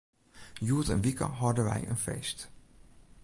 Hjoed in wike hâlde wy in feest.